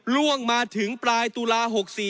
ล่วงมาถึงปลายตุลา๖๔